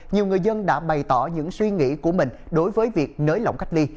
nhiều người dân đã bày tỏ những suy nghĩ của mình đối với việc nới lỏng cách ly